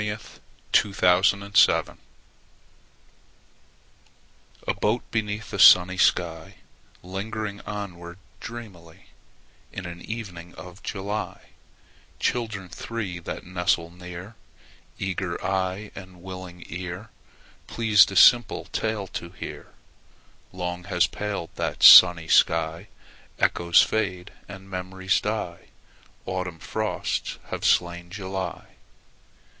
Which do you think it was? A boat beneath a sunny sky, Lingering onward dreamily In an evening of July— Children three that nestle near, Eager eye and willing ear, Pleased a simple tale to hear— Long has paled that sunny sky: Echoes fade and memories die. Autumn frosts have slain July.